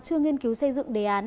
chưa nghiên cứu xây dựng đề án